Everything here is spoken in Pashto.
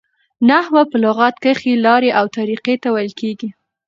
نحوه په لغت کښي لاري او طریقې ته ویل کیږي.